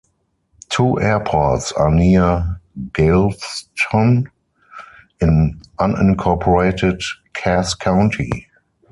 Two airports are near Galveston in unincorporated Cass County.